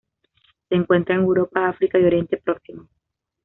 Se encuentra en Europa, África y Oriente Próximo.